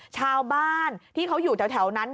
ชาวบ้านที่เขาอยู่แถวนั้น